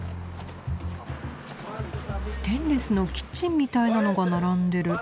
ステンレスのキッチンみたいなのが並んでる。